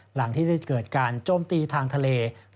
หลังที่ได้เกิดการจมตีทางทะเลหรือจมตีทางทะเล